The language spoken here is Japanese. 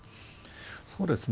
そうですね。